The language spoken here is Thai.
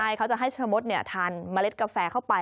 ใช่เขาจะให้ชะมดทานเมล็ดกาแฟเข้าไป